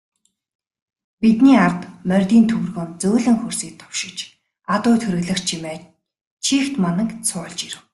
Бидний ард морьдын төвөргөөн зөөлөн хөрсийг товшиж, адуу тургилах чимээ чийгт мананг цуулж ирэв.